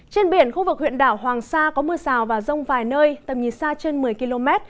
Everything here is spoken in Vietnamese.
trên biển khu vực huyện đảo hoàng sa có mưa rào và rông vài nơi tầm nhìn xa trên một mươi km